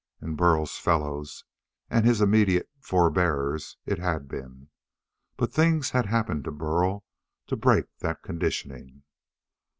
In Burl's fellows and his immediate forbears it had been. But things had happened to Burl to break that conditioning.